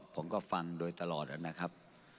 ผมก็ฟังด้วยตลอดครับ